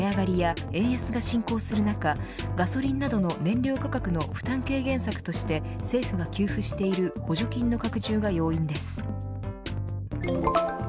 原油価格の値上がりや円安が進行する中ガソリンなどの燃料価格の負担軽減策として政府は給付している補助金の拡充が原因です。